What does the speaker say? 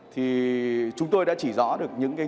thì chúng tôi đã chỉ rõ được những cái